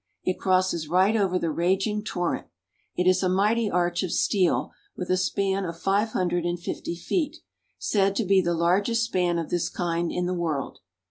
It crosses right over the raging torrent. It is a mighty arch of steel, with a span of five hundred and fifty feet, said to be the largest span of this kind in the world.